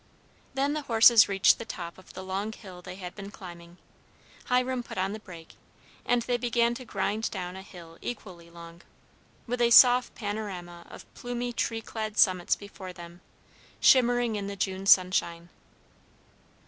Then the horses reached the top of the long hill they had been climbing, Hiram put on the brake, and they began to grind down a hill equally long, with a soft panorama of plumy tree clad summits before them, shimmering in the June sunshine.